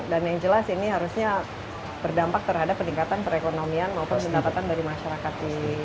dan yang jelas ini harusnya berdampak terhadap peningkatan perekonomian maupun pendapatan dari masyarakat di sini